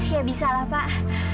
ya bisa lah pak